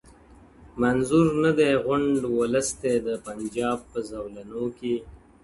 • منظور نه دی غونډ اولس دی د پنجاب په زولنو کي -